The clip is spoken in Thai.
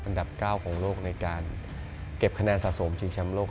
อันดับ๙ของโลกในการเก็บคะแนนสะสมชิงแชมป์โลก